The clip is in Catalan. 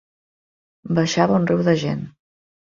Baixava un riu de gent.